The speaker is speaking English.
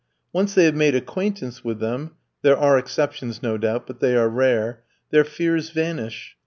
Once they have made acquaintance with them (there are exceptions, no doubt, but they are rare), their fears vanish.